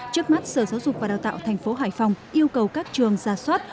trước mắt sở giáo dục và đào tạo thành phố hải phòng yêu cầu các trường giả soát